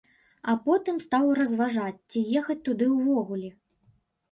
А потым стаў разважаць, ці ехаць туды ўвогуле.